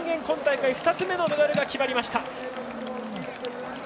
今大会２つ目のメダルが決まりました。